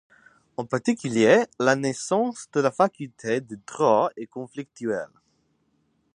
En particulier la naissance de la faculté de Droit est conflictuelle.